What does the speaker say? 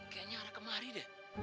kayaknya arah kemari deh